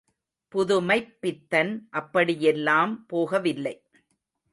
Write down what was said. புதுமைப்பித்தன் அப்படியெல்லாம் போகவில்லை.